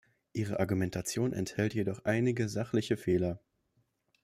Ihre Argumentation enthält jedoch einige sachliche Fehler.